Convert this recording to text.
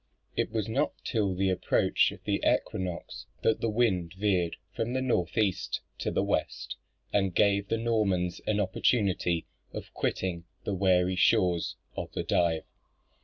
It was not till the approach of the equinox that the wind veered from the north east to the west, and gave the Normans an opportunity of quitting the weary shores of the Dive.